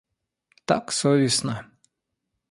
Так совестно!